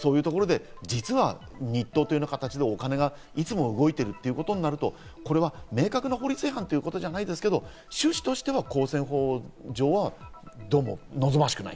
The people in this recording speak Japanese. あと日当という形でお金がいつも動いているということになると、明確な法律違反ではないですけど、趣旨としては公選法上はどうも望ましくない。